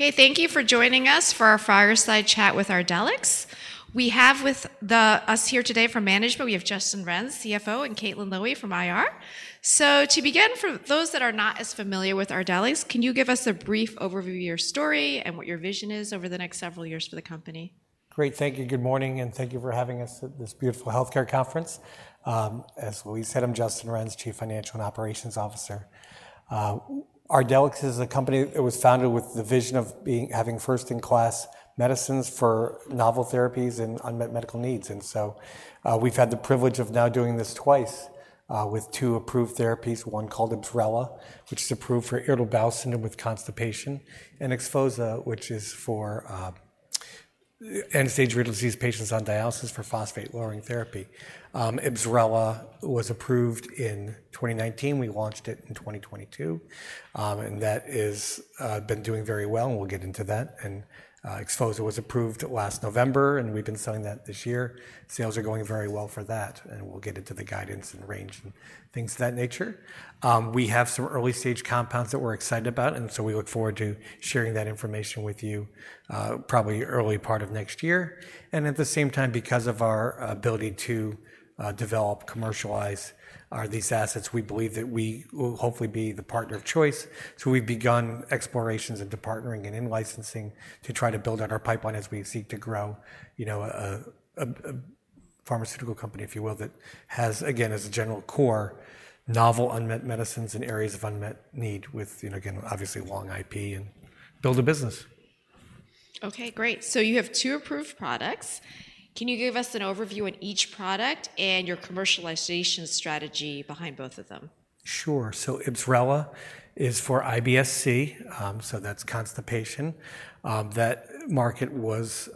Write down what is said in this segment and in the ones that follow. Okay, thank you for joining us for our fireside chat with Ardelyx. We have with us here today from management, we have Justin Renz, CFO, and Caitlin Lowie from IR. So to begin, for those that are not as familiar with Ardelyx, can you give us a brief overview of your story and what your vision is over the next several years for the company? Great. Thank you. Good morning, and thank you for having us at this beautiful healthcare conference. As Louise said, I'm Justin Renz, Chief Financial and Operations Officer. Ardelyx is a company that was founded with the vision of being, having first-in-class medicines for novel therapies and unmet medical needs. And so, we've had the privilege of now doing this twice, with two approved therapies, one called IBSRELA, which is approved for irritable bowel syndrome with constipation, and XPHOZAH, which is for end-stage renal disease patients on dialysis for phosphate-lowering therapy. IBSRELA was approved in 2019. We launched it in 2022, and that is been doing very well, and we'll get into that. And XPHOZAH was approved last November, and we've been selling that this year. Sales are going very well for that, and we'll get into the guidance and range and things of that nature. We have some early-stage compounds that we're excited about, and so we look forward to sharing that information with you, probably early part of next year. And at the same time, because of our ability to, develop, commercialize, these assets, we believe that we will hopefully be the partner of choice. So we've begun explorations into partnering and in-licensing to try to build out our pipeline as we seek to grow, you know, a pharmaceutical company, if you will, that has, again, as a general core, novel unmet medicines in areas of unmet need with, you know, again, obviously, long IP and build a business. Okay, great. So you have two approved products. Can you give us an overview on each product and your commercialization strategy behind both of them? Sure. So IBSRELA is for IBS-C, so that's constipation. That market was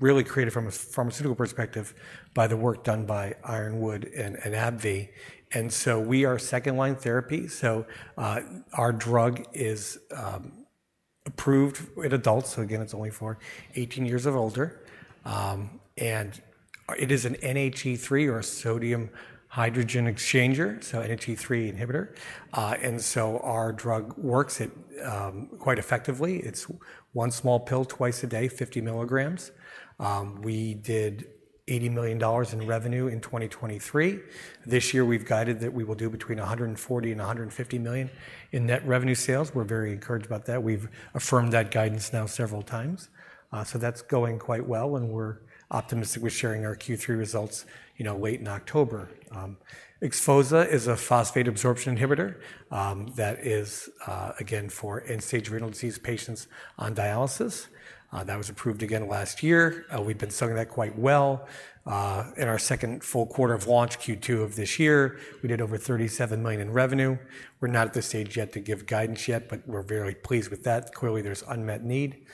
really created from a pharmaceutical perspective by the work done by Ironwood and AbbVie. And so we are second-line therapy, so our drug is approved in adults. So again, it's only for 18 years and older, and it is an Na+/H+ or a sodium hydrogen exchanger, so Na+/H+ inhibitor. And so our drug works. It quite effectively. It's one small pill twice a day, 50mg. We did $80 million in revenue in 2023. This year, we've guided that we will do between $140 million and $150 million in net revenue sales. We're very encouraged about that. We've affirmed that guidance now several times. So that's going quite well, and we're optimistic. We're sharing our Q3 results, you know, late in October. XPHOZAH is a phosphate absorption inhibitor, that is, again, for end-stage renal disease patients on dialysis. That was approved again last year. We've been selling that quite well. In our second full quarter of launch, Q2 of this year, we did over $37 million in revenue. We're not at the stage yet to give guidance yet, but we're very pleased with that. Clearly, there's unmet need.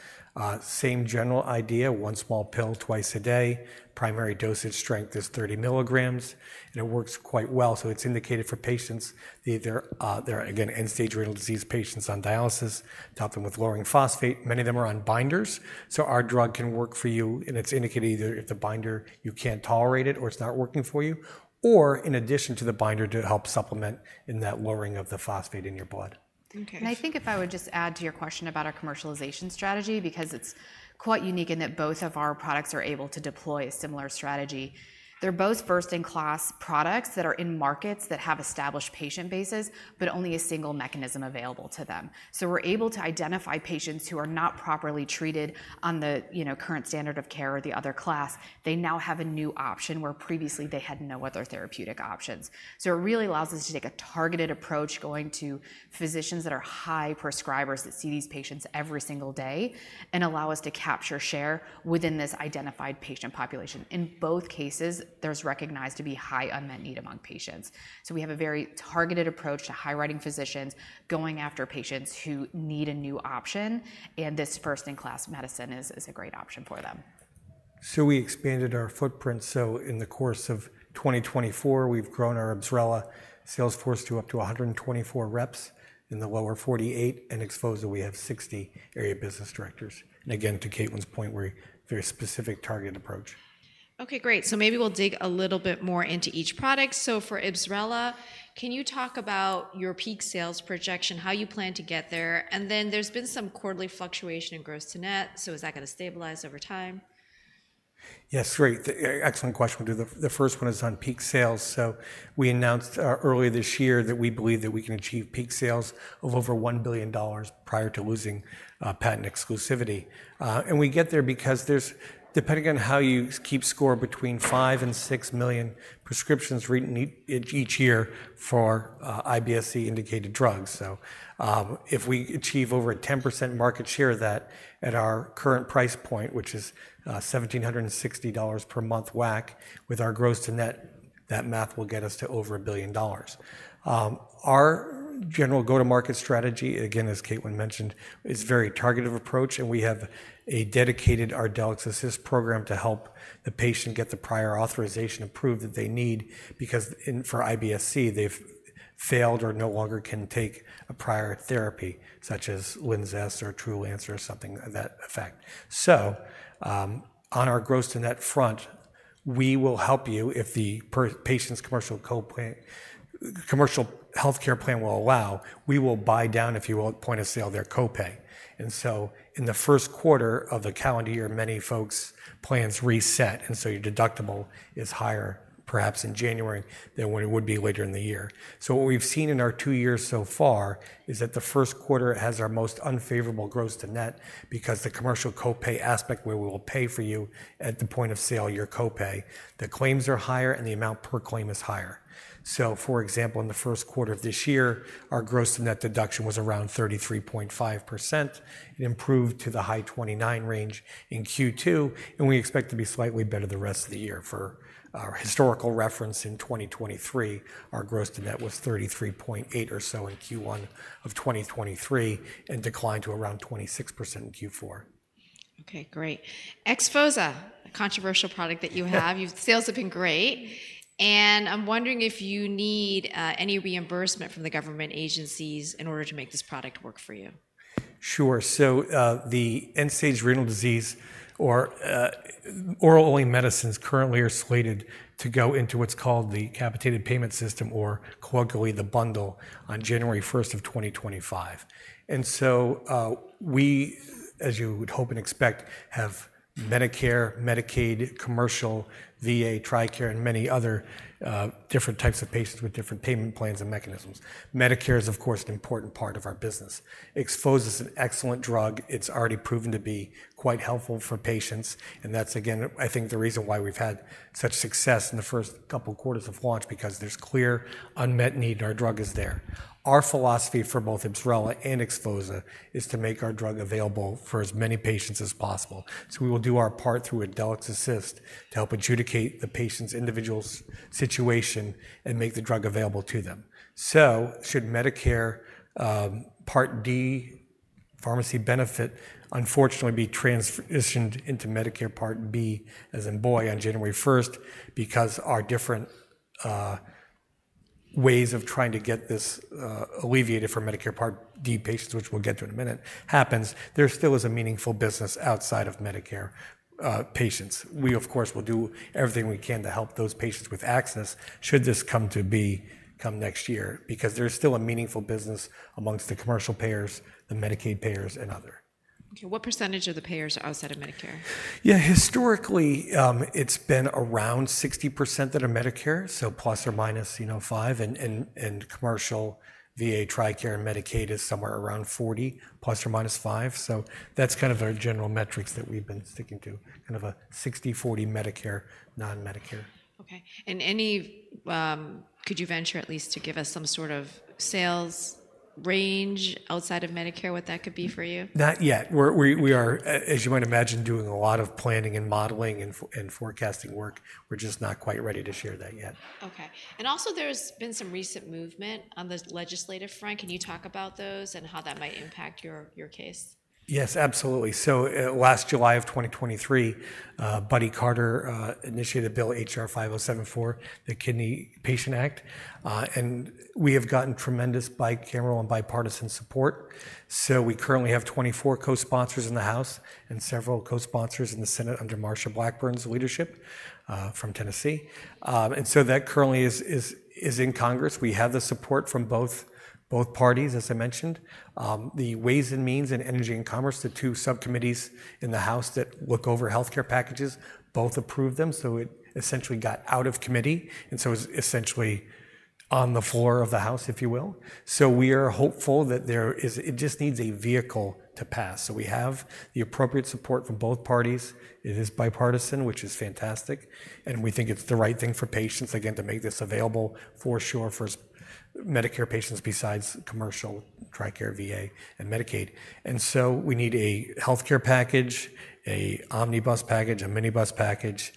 Same general idea, one small pill twice a day, primary dosage strength is 30mg, and it works quite well. So it's indicated for patients, either, they're, again, end-stage renal disease patients on dialysis to help them with lowering phosphate. Many of them are on binders, so our drug can work for you, and it's indicated either if the binder you can't tolerate it or it's not working for you, or in addition to the binder to help supplement in that lowering of the phosphate in your blood. Okay. I think if I would just add to your question about our commercialization strategy, because it's quite unique in that both of our products are able to deploy a similar strategy. They're both first-in-class products that are in markets that have established patient bases, but only a single mechanism available to them. So we're able to identify patients who are not properly treated on the, you know, current standard of care or the other class. They now have a new option where previously they had no other therapeutic options. So it really allows us to take a targeted approach, going to physicians that are high prescribers, that see these patients every single day and allow us to capture share within this identified patient population. In both cases, there's recognized to be high unmet need among patients. We have a very targeted approach to high-prescribing physicians, going after patients who need a new option, and this first-in-class medicine is a great option for them. We expanded our footprint, so in the course of 2024, we've grown our IBSRELA sales force to up to 124 reps in the lower 48, and XPHOZAH, we have 60 area business directors. Again, to Caitlin's point, we're a very specific target approach. Okay, great. So maybe we'll dig a little bit more into each product. So for IBSRELA, can you talk about your peak sales projection, how you plan to get there? And then there's been some quarterly fluctuation in gross-to-net, so is that going to stabilize over time? Yes, great. Excellent question. We'll do the first one is on peak sales. So we announced earlier this year that we believe that we can achieve peak sales of over $1 billion prior to losing patent exclusivity. And we get there because there's, depending on how you keep score, between 5 and 6 million prescriptions written each year for IBS-C indicated drugs. So, if we achieve over 10% market share of that at our current price point, which is $1,760 per month WAC, with our gross-to-net, that math will get us to over $1 billion. Our general go-to-market strategy, again, as Caitlin mentioned, is a very targeted approach, and we have a dedicated Ardelyx Assist program to help the patient get the prior authorization approved that they need, because, for IBS-C, they've failed or no longer can take a prior therapy, such as LINZESS or Trulance or something to that effect. So, on our gross-to-net front, we will help you if the patient's commercial copay, commercial healthcare plan will allow, we will buy down, if you will, point of sale, their copay. And so in the first quarter of the calendar year, many folks' plans reset, and so your deductible is higher, perhaps in January, than what it would be later in the year. So what we've seen in our two years so far is that the first quarter has our most unfavourable gross to net because the commercial copay aspect, where we will pay for you at the point of sale, your copay, the claims are higher, and the amount per claim is higher. So, for example, in the first quarter of this year, our gross to net deduction was around 33.5%. It improved to the high 29% range in Q2, and we expect to be slightly better the rest of the year. For our historical reference in 2023, our gross to net was 33.8% or so in Q1 of 2023 and declined to around 26% in Q4. Okay, great. XPHOZAH, a controversial product that you have. Your sales have been great, and I'm wondering if you need any reimbursement from the government agencies in order to make this product work for you. Sure. So, the end-stage renal disease or oral-only medicines currently are slated to go into what's called the capitated payment system, or colloquially, the bundle, on January first of 2025. And so, we, as you would hope and expect, have Medicare, Medicaid, commercial, VA, TRICARE, and many other different types of patients with different payment plans and mechanisms. Medicare is, of course, an important part of our business. XPHOZAH is an excellent drug. It's already proven to be quite helpful for patients, and that's, again, I think the reason why we've had such success in the first couple quarters of launch, because there's clear unmet need, and our drug is there. Our philosophy for both IBSRELA and XPHOZAH is to make our drug available for as many patients as possible. So we will do our part through Ardelyx Assist to help adjudicate the patient's individual situation and make the drug available to them. So should Medicare Part D pharmacy benefit unfortunately be transitioned into Medicare Part B, as in boy, on January first, because our different ways of trying to get this alleviated for Medicare Part D patients, which we'll get to in a minute, happens, there still is a meaningful business outside of Medicare patients. We, of course, will do everything we can to help those patients with access, should this come to be next year, because there is still a meaningful business amongst the commercial payers, the Medicaid payers, and other. Okay, what percentage of the payers are outside of Medicare? Yeah, historically, it's been around 60% that are Medicare, so plus or minus, you know, 5%, and commercial, VA, TRICARE, and Medicaid is somewhere around 40%, plus or minus 5%. So that's kind of our general metrics that we've been sticking to, kind of a 60/40 Medicare, non-Medicare. Okay. And any, could you venture at least to give us some sort of sales range outside of Medicare, what that could be for you? Not yet. We're, as you might imagine, doing a lot of planning and modelling and forecasting work. We're just not quite ready to share that yet. Okay. And also, there's been some recent movement on the legislative front. Can you talk about those and how that might impact your, your case? Yes, absolutely, so last July of 2023, Buddy Carter initiated Bill H.R. 5074, the Kidney Patient Act, and we have gotten tremendous bicameral and bipartisan support, so we currently have 24 co-sponsors in the House and several co-sponsors in the Senate under Marsha Blackburn's leadership from Tennessee, and so that currently is in Congress. We have the support from both parties, as I mentioned. The Ways and Means and Energy and Commerce, the two subcommittees in the House that look over healthcare packages, both approved them, so it essentially got out of committee, and so it's essentially on the floor of the House, if you will, we are hopeful that there is. It just needs a vehicle to pass, so we have the appropriate support from both parties. It is bipartisan, which is fantastic, and we think it's the right thing for patients, again, to make this available for sure for Medicare patients besides commercial, TRICARE, VA, and Medicaid, and so we need a healthcare package, an omnibus package, a minibus package,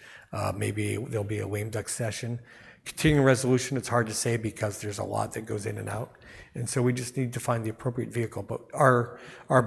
maybe there'll be a lame duck session. Continuing resolution, it's hard to say because there's a lot that goes in and out, and so we just need to find the appropriate vehicle, but our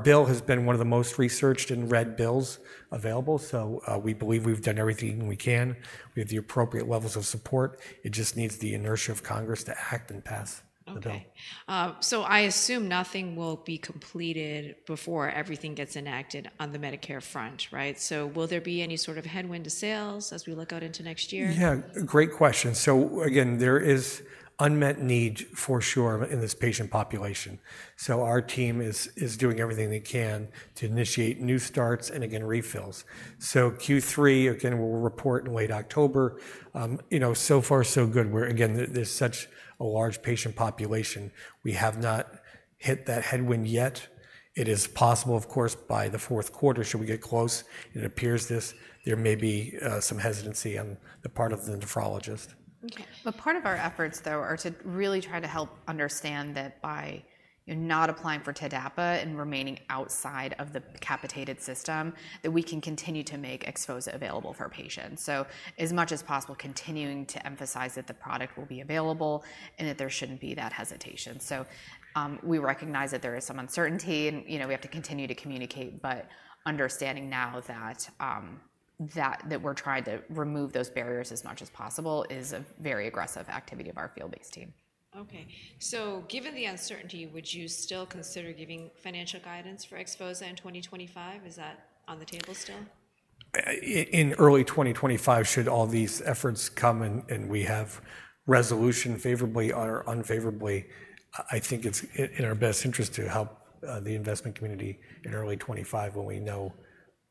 bill has been one of the most researched and read bills available, so we believe we've done everything we can. We have the appropriate levels of support. It just needs the inertia of Congress to act and pass the bill. Okay. So I assume nothing will be completed before everything gets enacted on the Medicare front, right? So will there be any sort of headwind to sales as we look out into next year? Yeah, great question. So again, there is unmet need for sure in this patient population. So our team is doing everything they can to initiate new starts and, again, refills. So Q3, again, we'll report in late October. You know, so far so good. We're, again, there's such a large patient population. We have not hit that headwind yet. It is possible, of course, by the fourth quarter, should we get close, it appears this, there may be some hesitancy on the part of the nephrologist. Okay. But part of our efforts, though, are to really try to help understand that by you're not applying for TDAPA and remaining outside of the capitated system, that we can continue to make XPHOZAH available for patients. So as much as possible, continuing to emphasize that the product will be available and that there shouldn't be that hesitation. So, we recognize that there is some uncertainty and, you know, we have to continue to communicate, but understanding now that we're trying to remove those barriers as much as possible is a very aggressive activity of our field-based team. Okay. So given the uncertainty, would you still consider giving financial guidance for XPHOZAH in 2025? Is that on the table still? In early 2025, should all these efforts come and we have resolution favourably or unfavourably, I think it's in our best interest to help the investment community in early 2025 when we know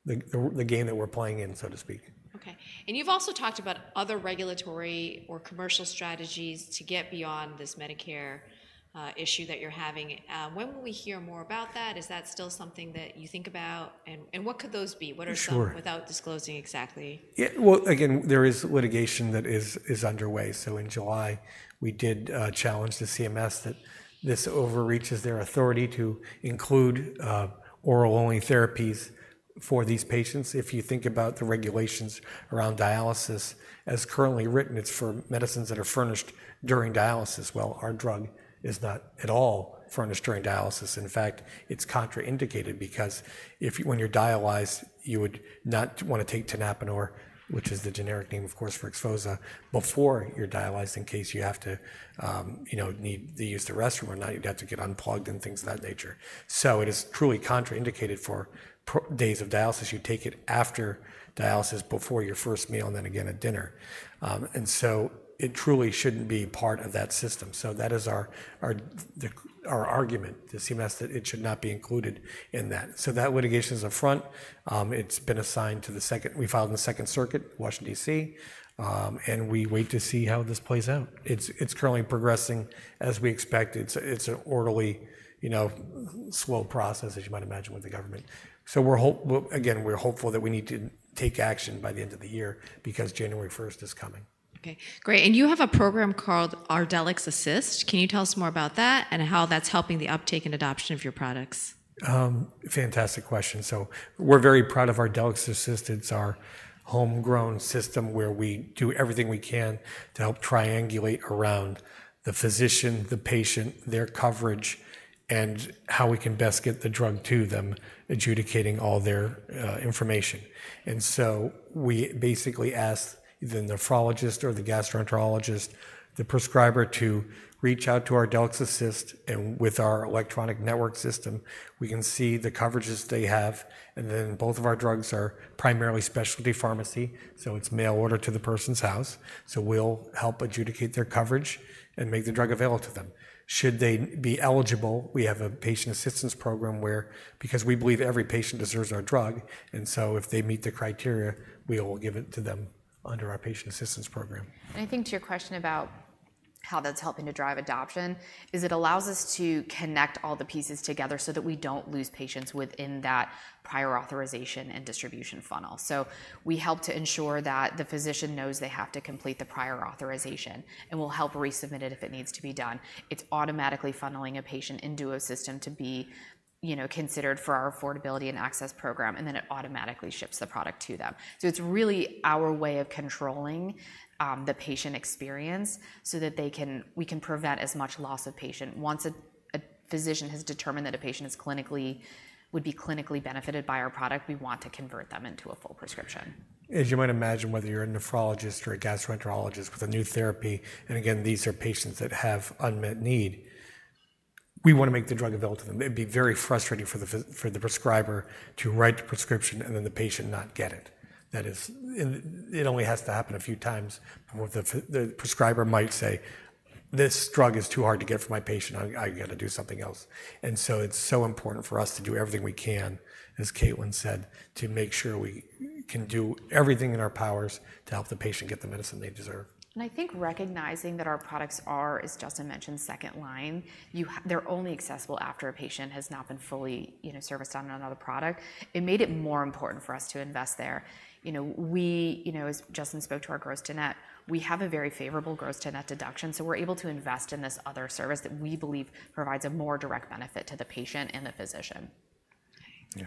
the game that we're playing in, so to speak. Okay. And you've also talked about other regulatory or commercial strategies to get beyond this Medicare issue that you're having. When will we hear more about that? Is that still something that you think about? And what could those be? What are some, Sure. without disclosing exactly? Yeah. Well, again, there is litigation that is underway. So in July, we did challenge the CMS that this overreaches their authority to include oral-only therapies for these patients. If you think about the regulations around dialysis, as currently written, it's for medicines that are furnished during dialysis. Well, our drug is not at all furnished during dialysis. In fact, it's contraindicated because if when you're dialyzed, you would not want to take tenapanor, which is the generic name, of course, for XPHOZAH, before you're dialyzed, in case you have to, you know, need to use the restroom or not, you'd have to get unplugged and things of that nature. So it is truly contraindicated for days of dialysis. You take it after dialysis, before your first meal, and then again at dinner. And so it truly shouldn't be part of that system. So that is our argument to CMS, that it should not be included in that. So that litigation is up front. It's been assigned to the district court. We filed in the district court, Washington, D.C., and we wait to see how this plays out. It's currently progressing as we expected. It's an orderly, you know, slow process, as you might imagine, with the government. Well, again, we're hopeful that we need to take action by the end of the year because January first is coming. Okay, great. And you have a program called Ardelyx Assist. Can you tell us more about that and how that's helping the uptake and adoption of your products? Fantastic question. So we're very proud of Ardelyx Assist. It's our homegrown system where we do everything we can to help triangulate around the physician, the patient, their coverage, and how we can best get the drug to them, adjudicating all their information. And so we basically ask the nephrologist or the gastroenterologist, the prescriber, to reach out to Ardelyx Assist, and with our electronic network system, we can see the coverages they have. And then both of our drugs are primarily specialty pharmacy, so it's mail order to the person's house. So we'll help adjudicate their coverage and make the drug available to them. Should they be eligible, we have a patient assistance program where. Because we believe every patient deserves our drug, and so if they meet the criteria, we will give it to them under our patient assistance program. I think to your question about how that's helping to drive adoption, it allows us to connect all the pieces together so that we don't lose patients within that prior authorization and distribution funnel. We help to ensure that the physician knows they have to complete the prior authorization and will help resubmit it if it needs to be done. It's automatically funnelling a patient into a system to be, you know, considered for our affordability and access program, and then it automatically ships the product to them. It's really our way of controlling the patient experience so that we can prevent as much loss of patient. Once a physician has determined that a patient is clinically, would be clinically benefited by our product, we want to convert them into a full prescription. As you might imagine, whether you're a nephrologist or a gastroenterologist with a new therapy, and again, these are patients that have unmet need, we want to make the drug available to them. It'd be very frustrating for the prescriber to write the prescription and then the patient not get it. That is, and it only has to happen a few times, and what the prescriber might say, "This drug is too hard to get for my patient. I got to do something else," and so it's so important for us to do everything we can, as Caitlin said, to make sure we can do everything in our powers to help the patient get the medicine they deserve. And I think recognizing that our products are, as Justin mentioned, second line, they're only accessible after a patient has not been fully, you know, serviced on another product. It made it more important for us to invest there. You know, we, you know, as Justin spoke to our gross to net, we have a very favourable gross to net deduction, so we're able to invest in this other service that we believe provides a more direct benefit to the patient and the physician. Yeah.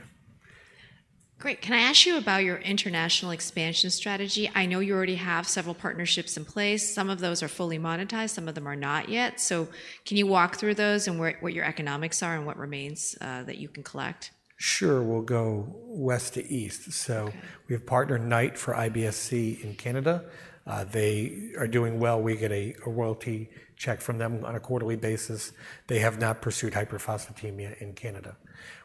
Great. Can I ask you about your international expansion strategy? I know you already have several partnerships in place. Some of those are fully monetized, some of them are not yet. So can you walk through those and where, what your economics are and what remains, that you can collect? Sure. We'll go west to east. Okay. We have partnered Knight for IBS-C in Canada. They are doing well. We get a royalty check from them on a quarterly basis. They have not pursued hyperphosphatemia in Canada.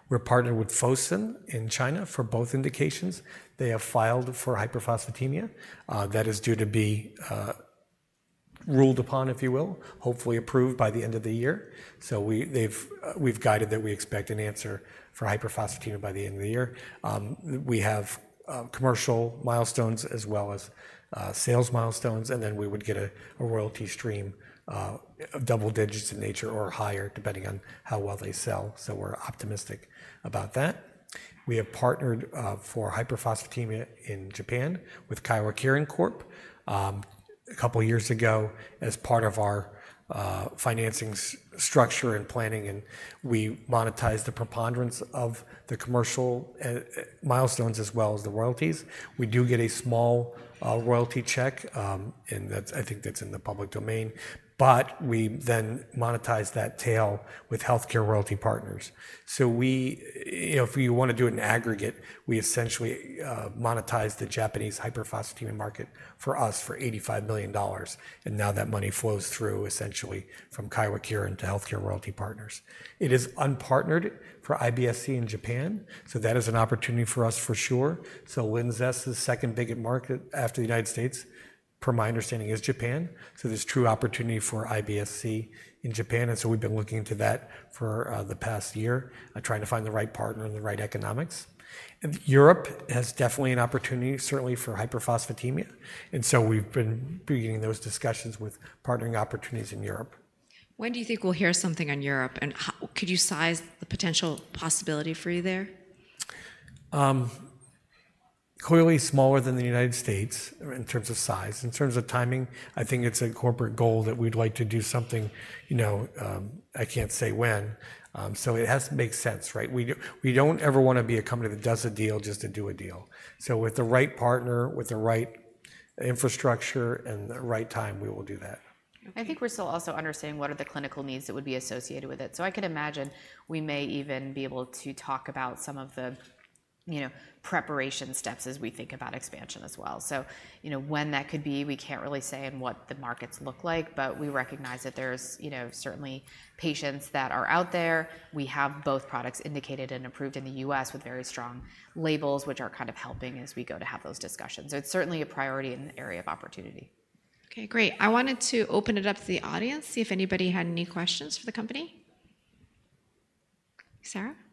We're partnered with Fosun in China for both indications. They have filed for hyperphosphatemia. That is due to be ruled upon, if you will, hopefully approved by the end of the year. So we've guided that we expect an answer for hyperphosphatemia by the end of the year. We have commercial milestones as well as sales milestones, and then we would get a royalty stream of double digits in nature or higher, depending on how well they sell. So we're optimistic about that. We have partnered for hyperphosphatemia in Japan with Kyowa Kirin Corp. A couple of years ago, as part of our financing structure and planning, and we monetized the preponderance of the commercial milestones as well as the royalties. We do get a small royalty check, and that's. I think that's in the public domain, but we then monetize that tail with HealthCare Royalty Partners. So we, you know, if you want to do an aggregate, we essentially monetize the Japanese hyperphosphatemia market for us for $85 million, and now that money flows through essentially from Kyowa Kirin into HealthCare Royalty Partners. It is unpartnered for IBS-C in Japan, so that is an opportunity for us for sure. So LINZESS, the second biggest market after the United States, per my understanding, is Japan. So there's true opportunity for IBS-C in Japan, and so we've been looking into that for the past year, trying to find the right partner and the right economics. And Europe has definitely an opportunity, certainly for hyperphosphatemia, and so we've been beginning those discussions with partnering opportunities in Europe. When do you think we'll hear something on Europe, and how could you size the potential possibility for you there? Clearly smaller than the United States in terms of size. In terms of timing, I think it's a corporate goal that we'd like to do something, you know, I can't say when, so it has to make sense, right? We don't ever want to be a company that does a deal just to do a deal. So with the right partner, with the right infrastructure, and the right time, we will do that. I think we're still also understanding what are the clinical needs that would be associated with it. So I could imagine we may even be able to talk about some of the, you know, preparation steps as we think about expansion as well. So, you know, when that could be, we can't really say and what the markets look like, but we recognize that there's, you know, certainly patients that are out there. We have both products indicated and approved in the US with very strong labels, which are kind of helping as we go to have those discussions. So it's certainly a priority and an area of opportunity. Okay, great. I wanted to open it up to the audience, see if anybody had any questions for the company. Sarah? You talked about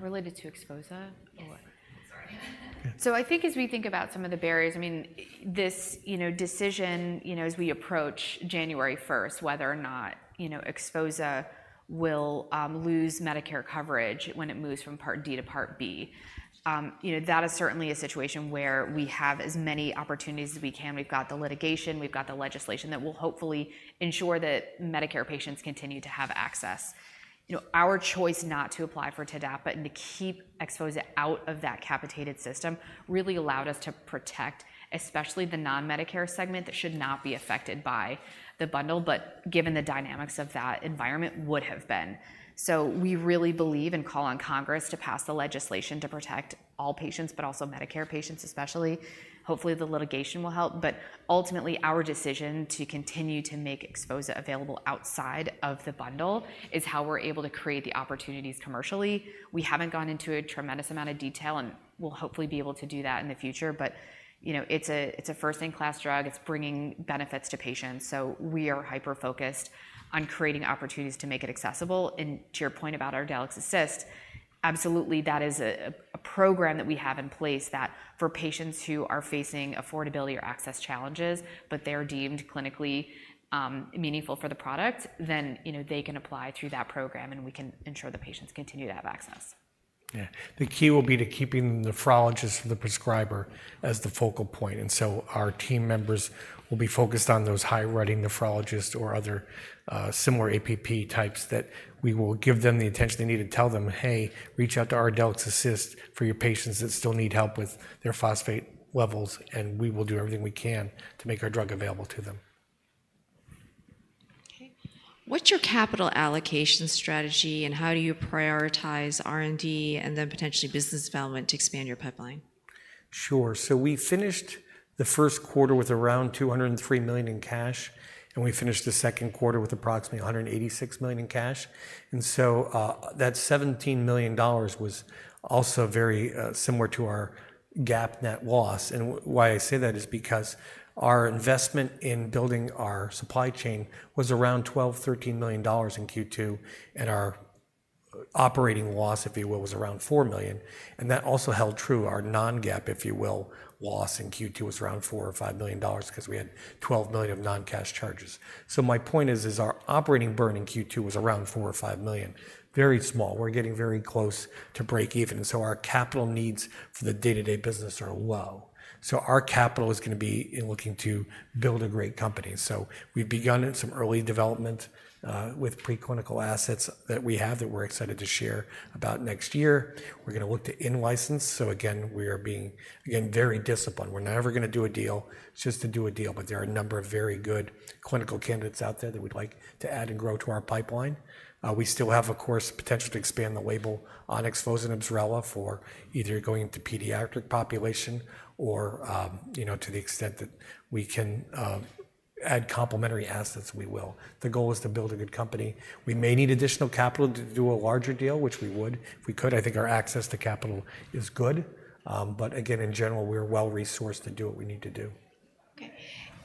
significant barriers, where you, like, emphasized that you want your product to be available and you recognize there's some uncertainty. So those barriers, what are they? How we overcome them, and is that where the Ardelyx Assist comes in, or is there something else involved in there? Is that related to XPHOZAH? Or what? So I think as we think about some of the barriers, I mean, this, you know, decision, you know, as we approach January first, whether or not, you know, XPHOZAH will lose Medicare coverage when it moves from Part D to Part B. You know, that is certainly a situation where we have as many opportunities as we can. We've got the litigation, we've got the legislation that will hopefully ensure that Medicare patients continue to have access. You know, our choice not to apply for TDAPA and to keep XPHOZAH out of that capitated system really allowed us to protect, especially the non-Medicare segment that should not be affected by the bundle, but given the dynamics of that environment, would have been. We really believe and call on Congress to pass the legislation to protect all patients, but also Medicare patients, especially. Hopefully, the litigation will help, but ultimately, our decision to continue to make XPHOZAH available outside of the bundle is how we're able to create the opportunities commercially. We haven't gone into a tremendous amount of detail, and we'll hopefully be able to do that in the future. But, you know, it's a first-in-class drug. It's bringing benefits to patients. So we are hyper-focused on creating opportunities to make it accessible. And to your point about our Ardelyx Assist, absolutely, that is a program that we have in place that for patients who are facing affordability or access challenges, but they're deemed clinically meaningful for the product, then, you know, they can apply through that program, and we can ensure the patients continue to have access. Yeah. The key will be to keeping the nephrologist or the prescriber as the focal point. And so our team members will be focused on those high-prescribing nephrologists or other, similar APP types, that we will give them the attention they need and tell them: "Hey, reach out to our Ardelyx Assist for your patients that still need help with their phosphate levels, and we will do everything we can to make our drug available to them. Okay. What's your capital allocation strategy, and how do you prioritize R&D and then potentially business development to expand your pipeline? Sure. So we finished the first quarter with around $203 million in cash, and we finished the second quarter with approximately $186 million in cash. And so that $17 million was also very similar to our GAAP net loss. And why I say that is because our investment in building our supply chain was around $12 to 13 million in Q2, and our operating loss, if you will, was around $4 million, and that also held true. Our non-GAAP, if you will, loss in Q2 was around $4 to 5 million because we had $12 million of non-cash charges. So my point is our operating burn in Q2 was around $4 to 5 million. Very small. We're getting very close to break even, so our capital needs for the day-to-day business are low. So our capital is gonna be in looking to build a great company. So we've begun in some early development with preclinical assets that we have that we're excited to share about next year. We're gonna look to in-license. So again, we are being, again, very disciplined. We're never gonna do a deal just to do a deal, but there are a number of very good clinical candidates out there that we'd like to add and grow to our pipeline. We still have, of course, potential to expand the label on XPHOZAH and IBSRELA for either going into pediatric population or, you know, to the extent that we can add complementary assets, we will. The goal is to build a good company. We may need additional capital to do a larger deal, which we would. If we could, I think our access to capital is good. But again, in general, we're well-resourced to do what we need to do. Okay.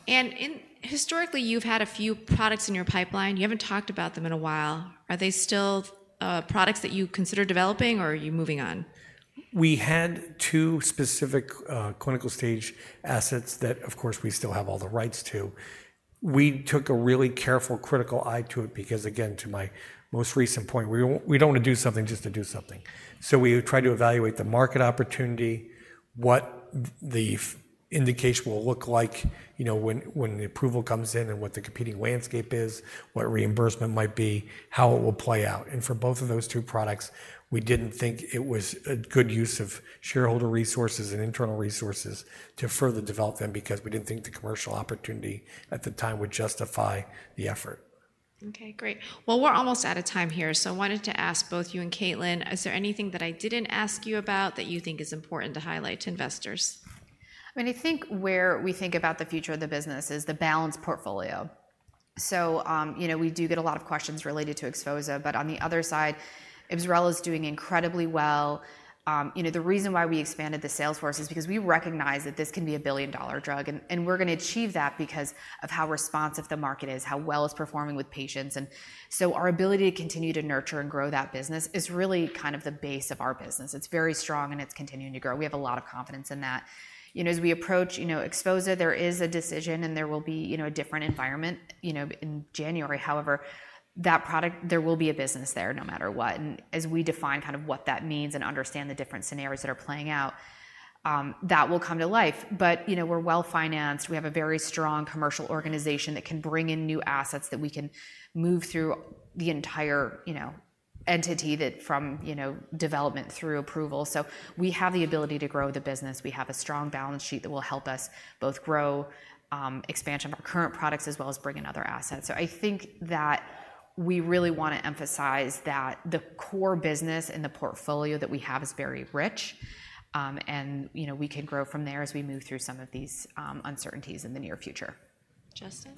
And historically, you've had a few products in your pipeline. You haven't talked about them in a while. Are they still products that you consider developing, or are you moving on? We had two specific clinical-stage assets that, of course, we still have all the rights to. We took a really careful, critical eye to it because, again, to my most recent point, we don't want to do something just to do something. So we try to evaluate the market opportunity, what the indication will look like, you know, when the approval comes in, and what the competing landscape is, what reimbursement might be, how it will play out, and for both of those two products, we didn't think it was a good use of shareholder resources and internal resources to further develop them because we didn't think the commercial opportunity at the time would justify the effort. Okay, great. Well, we're almost out of time here, so I wanted to ask both you and Caitlin, is there anything that I didn't ask you about that you think is important to highlight to investors? I mean, I think where we think about the future of the business is the balanced portfolio. So, you know, we do get a lot of questions related to XPHOZAH, but on the other side, IBSRELA is doing incredibly well. You know, the reason why we expanded the sales force is because we recognize that this can be a billion-dollar drug, and we're going to achieve that because of how responsive the market is, how well it's performing with patients. And so our ability to continue to nurture and grow that business is really kind of the base of our business. It's very strong, and it's continuing to grow. We have a lot of confidence in that. You know, as we approach, you know, XPHOZAH, there is a decision, and there will be, you know, a different environment, you know, in January. However, that product, there will be a business there, no matter what, and as we define kind of what that means and understand the different scenarios that are playing out, that will come to life, but you know, we're well-financed. We have a very strong commercial organization that can bring in new assets that we can move through the entire, you know, entity that from, you know, development through approval, so we have the ability to grow the business. We have a strong balance sheet that will help us both grow expansion of our current products, as well as bring in other assets, so I think that we really want to emphasize that the core business and the portfolio that we have is very rich, and you know, we can grow from there as we move through some of these uncertainties in the near future. Justin?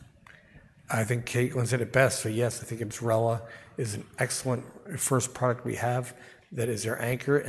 I think Caitlin said it best, so yes, I think IBSRELA is an excellent first product we have. That is our anchor, and.